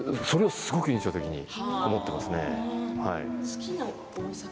それがすごく印象的に残っていますね。